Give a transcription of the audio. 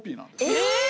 えっ！？